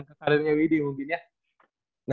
ke karirnya widi mungkin ya